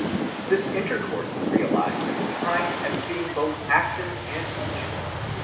This intercourse is realized at the time as being both active and mutual.